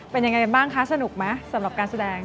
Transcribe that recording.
เป็นยังไงกันบ้างคะสนุกไหมสำหรับการแสดง